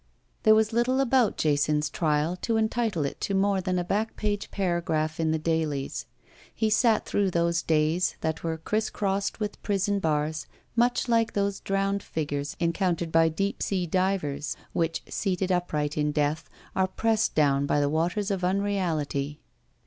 There was little about Jason's trial to entitle it to more than a back page paragraph in the dailies. He sat through those days, that were crisscrossed with prison bars, much like those drowned figures encountered by deep 3ea divers, which, seated up right in death, are pressed down by the waters of unreality.